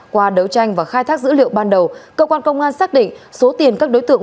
qua đấu tranh và khai thác dữ liệu ban đầu cơ quan công an xác định số tiền các đối tượng